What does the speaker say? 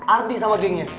ardi sama gengnya